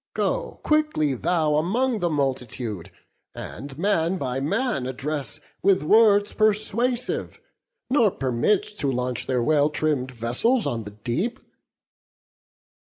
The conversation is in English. Go quickly thou Among the multitude, and man by man Address with words persuasive, nor permit To launch their well trimm'd vessels on the deep."